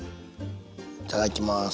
いただきます。